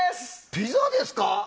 ピザですか！